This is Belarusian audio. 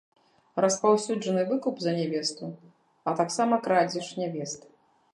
Распаўсюджаны выкуп за нявесту, а таксама крадзеж нявест.